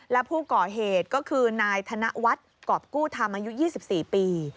และผู้ก่อเหตุก็คือนายธนวัฒน์กรอบกู้ธรรมอายุ๒๔ปี